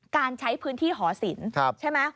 การใช้พื้นที่หอศิลป์ใช่ไหม